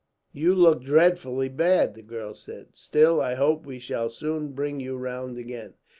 "You look dreadfully bad," the girl said. "Still, I hope we shall soon bring you round again.